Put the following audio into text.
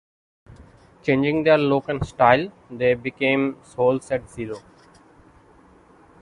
Changing their look and style, they became Souls at Zero.